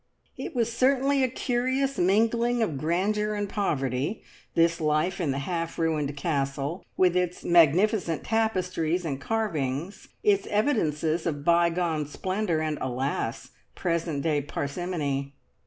It was certainly a curious mingling of grandeur and poverty, this life in the half ruined Castle, with its magnificent tapestries and carvings, its evidences of bygone splendour, and, alas! present day parsimony.